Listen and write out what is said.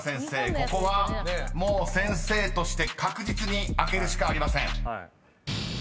ここはもう先生として確実に開けるしかありません］